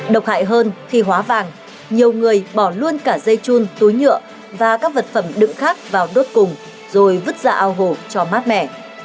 độc hại hơn khi hóa vàng nhiều người bỏ luôn cả dây chun túi nhựa và các vật phẩm đựng khác vào đốt cùng rồi vứt ra ao hồ cho mát mẻ